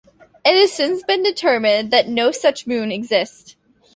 It has since been determined that no such moon exists.